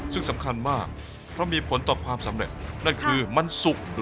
ซึ่งสำคัญมากเพราะมีผลต่อความสำเร็จ